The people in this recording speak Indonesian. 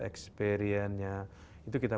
experience nya itu kita